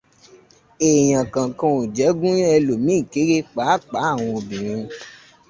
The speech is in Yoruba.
Èèyàn kankan ò jẹ́ gúnyán ẹlòmíràn kéré, pàápàá àwọn obìnrin.